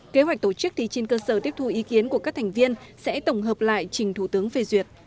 kế hoạch tổ chức thì trên cơ sở tiếp thu ý kiến của các thành viên sẽ tổng hợp lại trình thủ tướng phê duyệt